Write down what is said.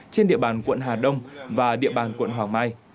trên địa bàn quận hà đông và địa bàn quận hoàng mai